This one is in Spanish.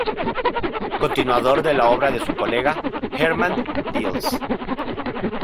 Continuador de la obra de su colega Hermann Diels.